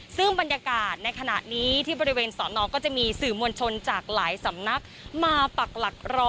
ซึ่งบรรยากาศในขณะนี้ที่บริเวณสอนอก็จะมีสื่อมวลชนจากหลายสำนักมาปักหลักรอ